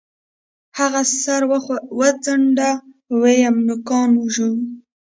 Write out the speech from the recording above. هغې سر وڅنډه ويم نوکان ژوو.